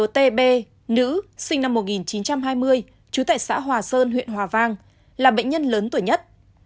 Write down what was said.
tb nữ sinh năm một nghìn chín trăm hai mươi chú tại xã hòa sơn huyện hòa vang là bệnh nhân lớn tuổi nhất